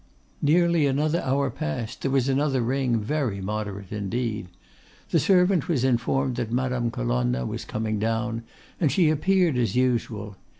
Nearly another hour passed; there was another ring; very moderate indeed. The servant was informed that Madame Colonna was coming down, and she appeared as usual.